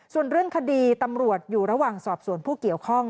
ส่วนเรื่องคดีตำรวจอยู่ระหว่างสอบสวนผู้เกี่ยวข้อง